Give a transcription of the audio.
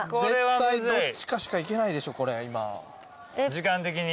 時間的に？